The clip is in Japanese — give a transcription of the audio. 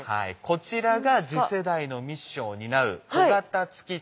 こちらが次世代のミッションを担う小型月着陸実証機